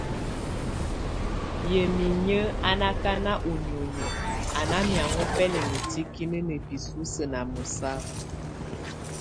Yə mi inyə́ na kaná u níoni a ná miaŋɔ́ pɛlɛŋa tikínə na pisúsu na mɔsapa.